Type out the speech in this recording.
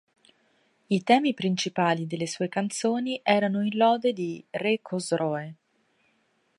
I temi principali delle sue canzoni erano in lode di re Cosroe.